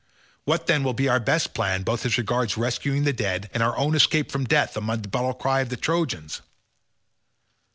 What then will be our best plan both as regards rescuing the dead, and our own escape from death amid the battle cries of the Trojans?"